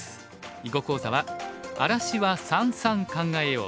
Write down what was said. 囲碁講座は「荒らしは三々考えよう」。